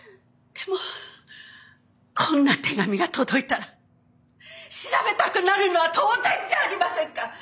でもこんな手紙が届いたら調べたくなるのは当然じゃありませんか！